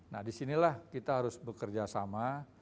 nah di sinilah kita harus bekerja sama